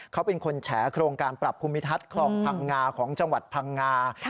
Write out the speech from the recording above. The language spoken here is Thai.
เขาเป็นคนแฉโครงการปรับภูมิทัศน์คลองพังงาของจังหวัดพังงา